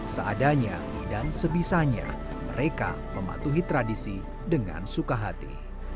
seadanya dan sebisanya mereka mematuhi tradisi dengan suka hati